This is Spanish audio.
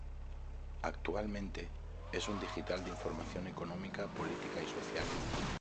Actualmente, es un digital de información económica, política y social.